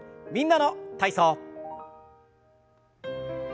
「みんなの体操」。